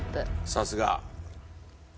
さすが。